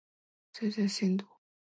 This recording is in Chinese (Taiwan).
追蹤進度